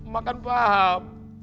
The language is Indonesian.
mak kan paham